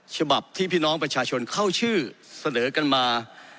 ฉบับที่พี่น้องประชาชนเข้าชื่อเสนอกันมา